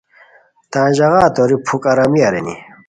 تان ژاغا توری پُھک آرامی ارینی